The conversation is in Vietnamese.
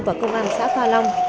và công an xã pha long